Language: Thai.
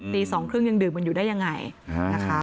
ตี๒๓๐ยังดื่มกันอยู่ได้ยังไงนะคะ